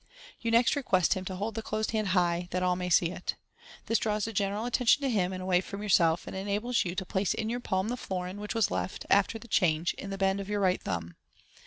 You next request him to hold the closed hand high, that all may see it. This draws the general attention to him, and away from yourself, and enables you to place in your palm the florin, which was left, after the change, in the bend of your right thumb.